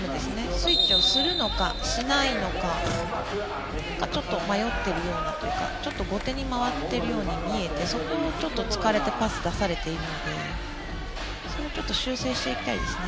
スイッチをするのか、しないのかちょっと迷っているようなちょっと後手に回っているように見えてそこを突かれてパスを出されているのでそれをちょっと修正していきたいですね。